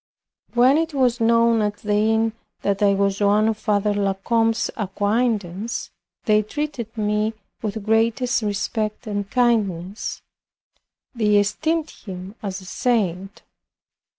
When it was known at the inn, that I was one of Father La Combe's acquaintance, they treated me with greatest respect and kindness. They esteemed him as a saint.